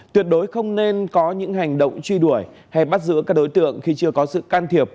tuyệt đối không nên có những hành động truy đuổi hay bắt giữ các đối tượng khi chưa có sự can thiệp